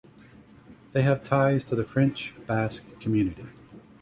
They have ties to the French Basque community.